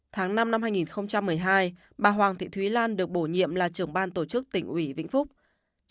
tháng năm năm hai nghìn một mươi hai bà hoàng thị thúy lan được bổ nhiệm là trưởng ban tổ chức tỉnh ủy vĩnh phúc